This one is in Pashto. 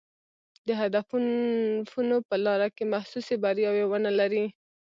د هدفونو په لاره کې محسوسې بریاوې ونه لري.